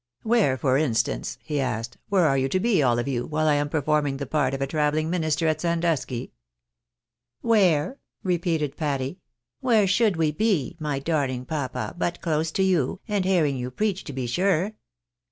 " Where, for instance," he asked, " where are you to be, all of you, while I am performing the part of a travelling minister at Sandusky ?"" Where," repeated Patty. " Where should we be, my darhng papa, but close to you, and hearing you preach to be sure."